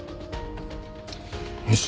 よし。